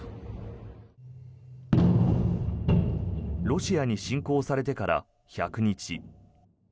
ロシアに侵攻されてから１００日。